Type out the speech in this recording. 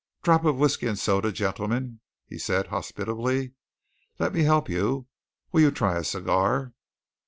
"Drop of whisky and soda, gentlemen?" he said, hospitably. "Let me help you. Will you try a cigar?"